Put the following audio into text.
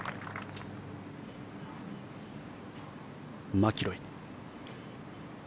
マキロイ。